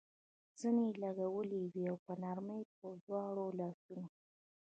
زنې لګولې وې، په نرمۍ مې په دواړو لاسونو.